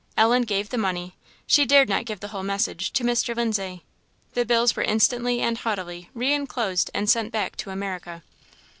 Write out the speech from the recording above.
Ellen gave the money, she dared not give the whole message, to Mr. Lindsay. The bills were instantly and haughtily re enclosed and sent back to America.